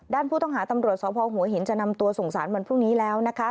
ด้านผู้ต้องหาตำรวจสพหัวหินจะนำตัวส่งสารวันพรุ่งนี้แล้วนะคะ